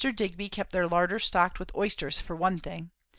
Digby kept their larder stocked with oysters, for one thing.